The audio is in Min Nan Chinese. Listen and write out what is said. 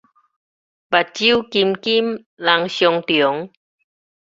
目睭金金人嵩重